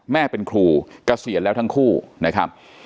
แม่เป็นครูเกษียณแล้วทั้งคู่นะครับ